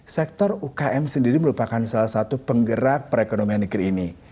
sektor ukm sendiri merupakan salah satu penggerak perekonomian negeri ini